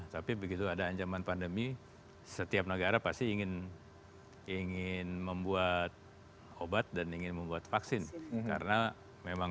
tapi begitu ada ancaman pandemi setiap negara pasti ingin ingin membuat obat dan ingin membuat vaksin karena memang